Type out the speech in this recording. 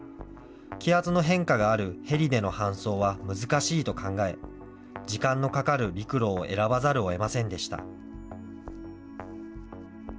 気圧の変化があるヘリでの搬送は難しいと考え、時間のかかる陸路を選ばざるをえませんでした。